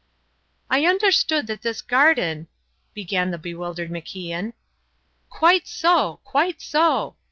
"I understood that this garden " began the bewildered MacIan. "Quite so! Quite so!"